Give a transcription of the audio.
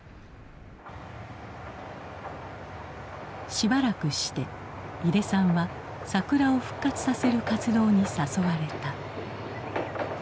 しばらくして井手さんは桜を復活させる活動に誘われた。